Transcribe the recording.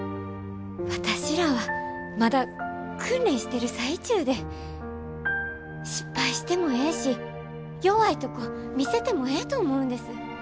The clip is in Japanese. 私らはまだ訓練してる最中で失敗してもええし弱いとこ見せてもええと思うんです。